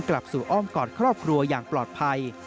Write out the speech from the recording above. กลับสู่อ้อมกอดครอบครัวอย่างปลอดภัย